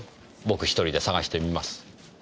僕一人で捜してみます。